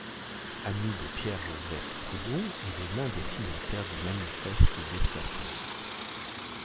Ami de Pierre-Joseph Proudhon, il est l'un des signataires du Manifeste des Soixante.